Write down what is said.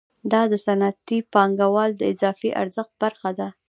دا د صنعتي پانګوال د اضافي ارزښت برخه ده